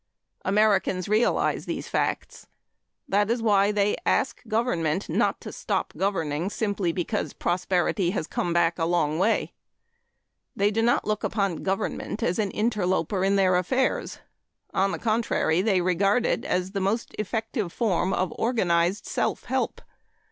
Americans realize these facts. That is why they ask government not to stop governing simply because prosperity has come back a long way. They do not look on government as an interloper in their affairs. On the contrary, they regard it as the most effective form of organized self help.